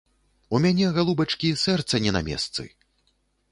У мяне, галубачкі, сэрца не на месцы!